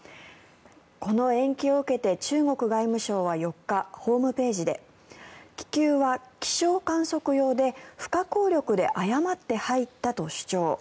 この延期を受けて中国外務省は４日ホームページで気球は気象観測用で不可抗力で誤って入ったと主張。